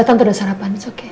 tante udah sarapan it's okay